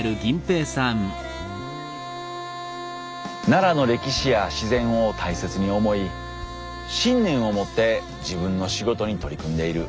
奈良の歴史や自然を大切に思い信念を持って自分の仕事に取り組んでいる。